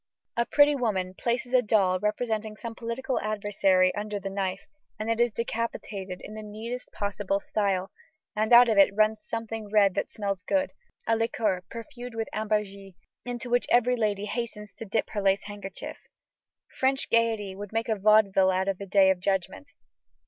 A pretty woman places a doll representing some political adversary under the knife; it is decapitated in the neatest possible style, and out of it runs something red that smells good, a liqueur perfumed with ambergris, into which every lady hastens to dip her lace handkerchief. French gaiety would make a vaudeville out of the day of judgment.